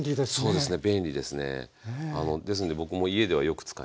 そうですね。